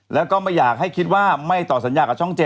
แล้วก็ไม่อยากให้คิดว่าไม่ต่อสัญญากับช่อง๗